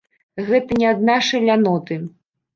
Гэта не ад нашай ляноты.